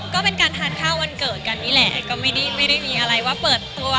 ก็เป็นการทานข้าววันเกิดกันนี่แหละก็ไม่ได้มีอะไรว่าเปิดตัว